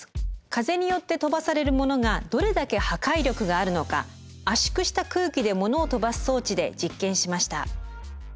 風によって飛ばされるものがどれだけ破壊力があるのか圧縮した空気でものを飛ばす装置で実験しました。